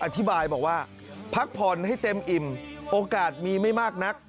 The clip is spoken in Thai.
อธิบายบอกว่าพักผ่อนให้เต็มอิ่มโอกาสมีไม่มากนัก